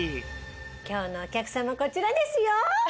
今日のお客様こちらですよ！